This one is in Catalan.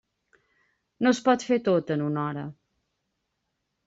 No es pot fer tot en una hora.